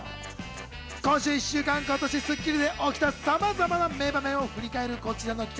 今週１週間、今年『スッキリ』で起きたさまざまな名場面を振り返るこちらの企画。